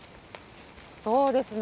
そうですね。